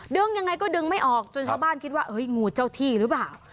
ยังไงก็ดึงไม่ออกจนชาวบ้านคิดว่างูเจ้าที่หรือเปล่า